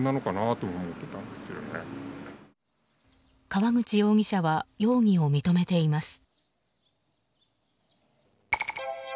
川口容疑者は容疑を認めています。